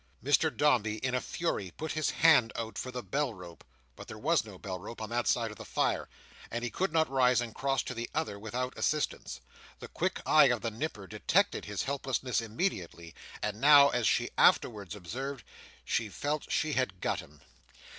Mr Dombey, in a fury, put his hand out for the bell rope; but there was no bell rope on that side of the fire, and he could not rise and cross to the other without assistance. The quick eye of the Nipper detected his helplessness immediately, and now, as she afterwards observed, she felt she had got him.